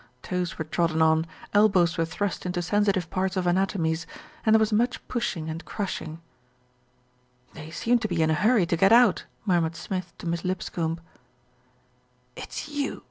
Toes were trodden on, elbows were thrust into sensitive parts of anatomies, and there was much pushing and crushing. "They seem to be in a hurry to get out," murmured Smith to Miss Lipscombe. LITTLE BILSTEAD GOES TO CHURCH 169 "It's you